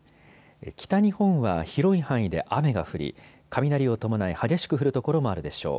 北日本は広い範囲で雨が降り雷を伴い激しく降る所もあるでしょう。